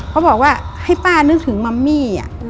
เขาบอกว่าให้ป้านึกถึงมัมมี่